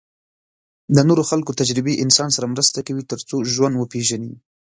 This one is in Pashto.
د نورو خلکو تجربې انسان سره مرسته کوي تر څو ژوند وپېژني.